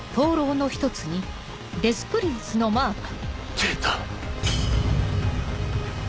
出た。